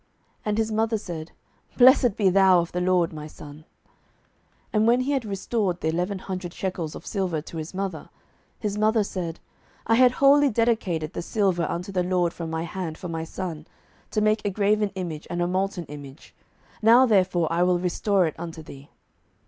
And his mother said, Blessed be thou of the LORD, my son. 07:017:003 And when he had restored the eleven hundred shekels of silver to his mother, his mother said, I had wholly dedicated the silver unto the LORD from my hand for my son, to make a graven image and a molten image: now therefore I will restore it unto thee.